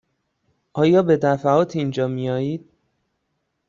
آیا به دفعات اینجا می آیید؟